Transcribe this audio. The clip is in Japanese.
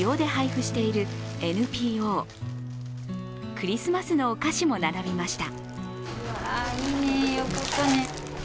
クリスマスのお菓子も並びました。